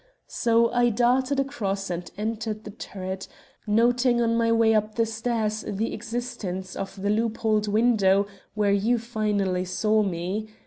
So I darted across and entered the turret, noting on my way up the stairs the existence of the loopholed window where you finally saw me.